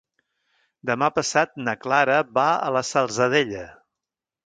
Demà passat na Clara va a la Salzadella.